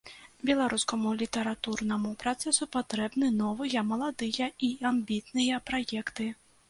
Беларускаму літаратурнаму працэсу патрэбны новыя, маладыя і амбітныя праекты.